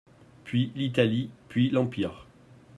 Puis l'Italie, puis l'Empire.